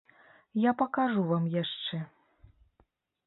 Я пакажу вам яшчэ!